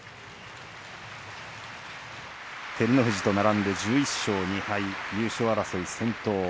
照ノ富士と並んで１１勝２敗優勝争いの先頭